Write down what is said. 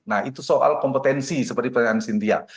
nah itu soal kompetensi seperti pertanyaan cynthia